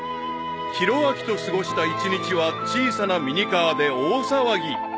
［ひろあきと過ごした一日は小さなミニカーで大騒ぎ］